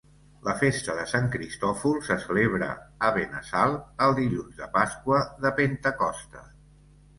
La festa de Sant Cristòfol se celebra a Benassal el dilluns de Pasqua de Pentecosta.